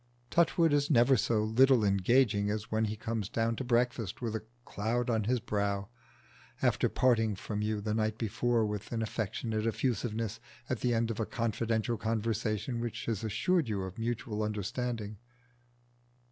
Touchwood is never so little engaging as when he comes down to breakfast with a cloud on his brow, after parting from you the night before with an affectionate effusiveness at the end of a confidential conversation which has assured you of mutual understanding.